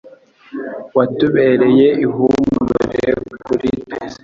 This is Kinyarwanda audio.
Watubereye ihumure kuri twese.